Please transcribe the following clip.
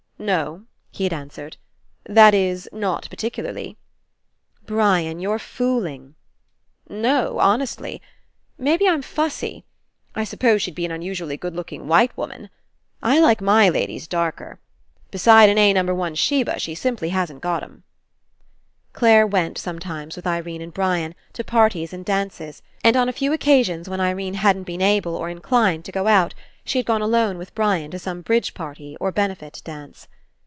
*'No," he had answered. "That is, not particularly." "Brian, you're fooling!" 145 PASSING "No, honestly. Maybe Fm fussy. I s'pose she'd be an unusually good looking white woman. I like my ladies darker. Beside an A number one sheba, she simply hasn't got 'em." Clare went, sometimes with Irene and Brian, to parties and dances, and on a few occasions when Irene hadn't been able or in clined to go out, she had gone alone with Brian to some bridge party or benefit dance.